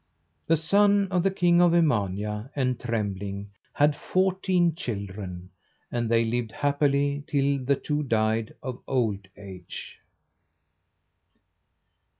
The son of the king of Emania and Trembling had fourteen children, and they lived happily till the two died of old age.